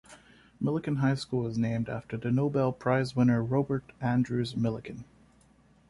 Millikan High School is named after the Nobel Prize winner Robert Andrews Millikan.